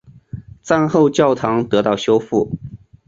战后教堂得到修复。